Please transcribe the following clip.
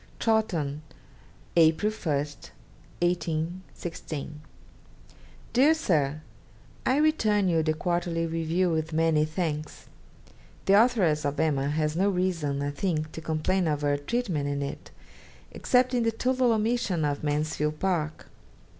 'Chawton, April 1, 1816. 'DEAR SIR, I return you the "Quarterly Review" with many thanks. The Authoress of "Emma" has no reason, I think, to complain of her treatment in it, except in the total omission of "Mansfield Park."